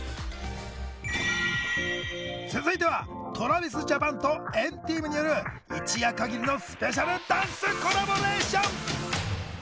続いてはＴｒａｖｉｓＪａｐａｎと＆ＴＥＡＭによる一夜かぎりのスペシャルダンスコラボレーション！